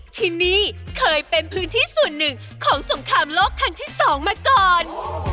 ที่นี่เคยเป็นพื้นที่ส่วนหนึ่งของสงครามโลกครั้งที่๒มาก่อน